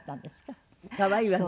可愛いわね。